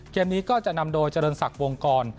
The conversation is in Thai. เกมนี้ก็จะนำโดยเจริญศักดิ์วงกร